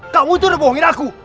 kamu itu udah bohongin aku